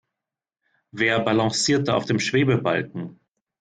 Wer balanciert da auf dem Schwebebalken?